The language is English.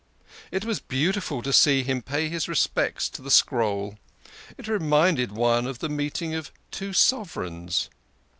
It was beautiful to see him pay his respects to the scroll ; it reminded one of the meeting of two sovereigns.